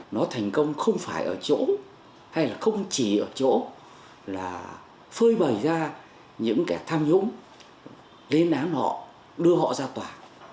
nó thành công không phải ở chỗ hay là không chỉ ở chỗ là phơi bày ra những kẻ tham nhũng lên án họ đưa họ ra tòa